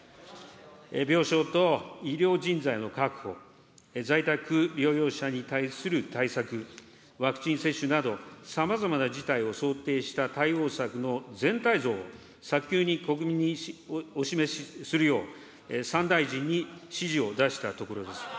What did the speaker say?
病床と医療人材の確保、在宅療養者に対する対策、ワクチン接種など、さまざまな事態を想定した対応策の全体像を早急に国民にお示しするよう、３大臣に指示を出したところです。